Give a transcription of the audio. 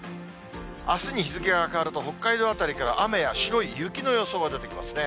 あすに日付が変わると、北海道辺りから雨や白い雪の予想が出てきますね。